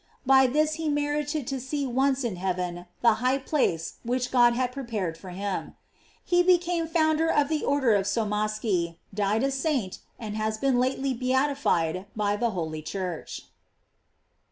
By this he merited to see once in heaven the high place which God had prepared for him. He became founder of the or der of Sommaschi, died a saint, and has been late ly beatified by the holy Church.